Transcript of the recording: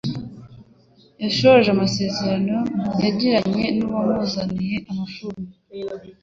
Yasohoje amasezerano yagiranye n'uwamuzaniye amafuni